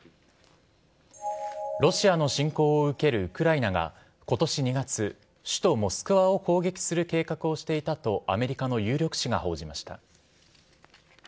ロシアの侵攻を受けるウクライナがことし２月、首都モスクワを攻撃する計画をしていたとアメリカの有力紙が報じました。